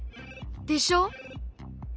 でしょ？